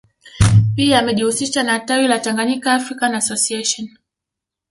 Pia amejihusisha na tawi la Tanganyika African Association